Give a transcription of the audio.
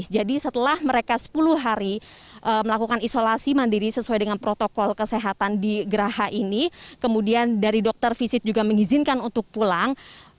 jadi setelah mereka sepuluh hari melakukan isolasi mandiri sesuai dengan protokol kesehatan di geraha ini kemudian dari dokter visit juga mengizinkan untuk pulang